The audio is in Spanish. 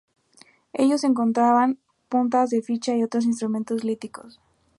En ellos, se encontraban puntas de flecha y otros instrumentos líticos.